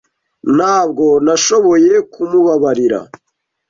Ntabwo nashoboye kumubabarira.